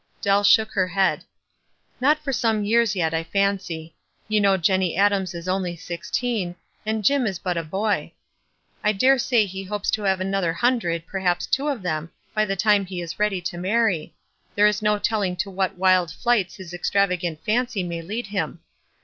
Dell shook her head. " Not for some years yet, I fancy. You know Jenny Adams is only sixteen, and Jim is but a boy. I dare say he hopes to have another hun dred, perhaps two of them, by the time he is ready to marry ; there is no telling to what wild flights his extravagant fancy may lead him.